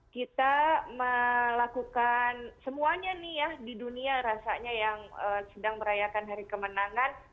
kita melakukan semuanya nih ya di dunia rasanya yang sedang merayakan hari kemenangan